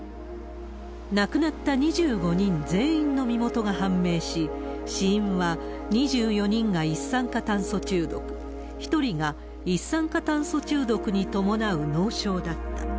亡くなった２５人全員の身元が判明し、死因は２４人が一酸化炭素中毒、１人が一酸化炭素中毒に伴う脳症だった。